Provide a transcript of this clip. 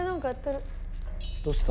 どうした？